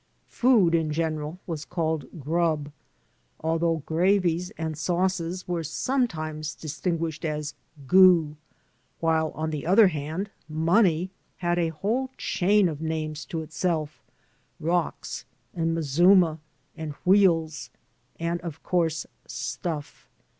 Pood in general was called "grub," although gravies and sauces were sometimes distinguished as "goo"; while, on the other hand, money had a whole chain of names to itself; "rocks" and "mazuma" and "wheels" and, of course, "stuff."